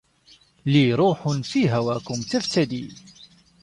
لي روح في هواكم تفتدي